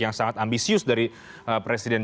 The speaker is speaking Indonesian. yang sangat ambisius dari presiden